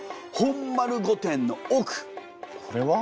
これは？